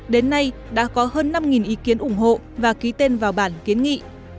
đến nay đã có hơn năm ý kiến ủng hộ và ký tên vào bản kiến nghị